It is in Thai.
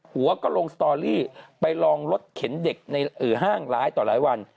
หัวก็ลงสตอรี่ไปลองรถเข็นเด็กในห้างร้ายต่อหลายวัน